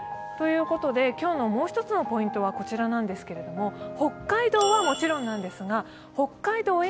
今日のもう１つのポイントはこちらなんですけれども、北海道はもちろんなんですが、北海道